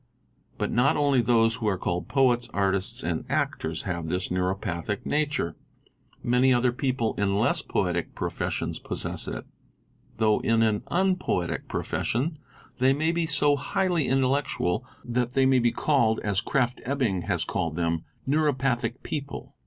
But not only those who are called poets, artists, and actors, _ have this neuropathic nature ; many other people in less poetic professions possess it. Though in an unpoetic profession, they may be so highly intellectual that they may be called (as Krafft Ebing has called them) _ "neuropathic people.